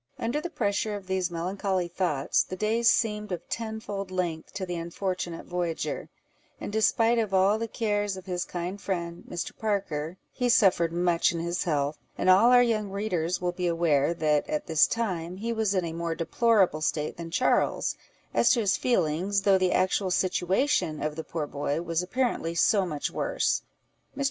Under the pressure of these melancholy thoughts, the days seemed of tenfold length to the unfortunate voyager; and in despite of all the cares of his kind friend, Mr. Parker, he suffered much in his health; and, all our young readers will be aware, that, at this time, he was in a more deplorable state than Charles, as to his feelings, though the actual situation of the poor boy was apparently so much worse. Mr.